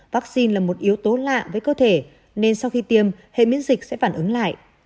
vaccine là một yếu tố lạ với cơ thể nên sau khi tiêm hệ miễn dịch sẽ phản ứng lại